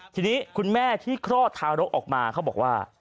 ทีนี้คุณแม่ที่คลอดทารกออกมาเขาบอกว่า